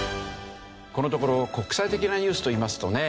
このところ国際的なニュースといいますとね